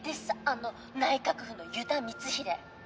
あの内閣府の遊田光秀。